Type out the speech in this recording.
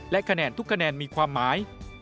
และคะแนนทุกคะแนนมีความหมาย